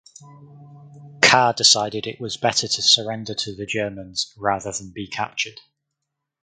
Carr decided it was better to surrender to the Germans rather than be captured.